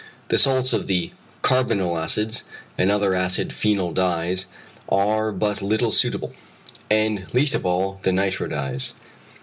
The salts of the carbonyl acids and other acid phenol dyes are but little suitable: and least of all, the nitro dyes.